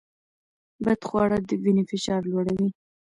بدخواړه د وینې فشار لوړوي.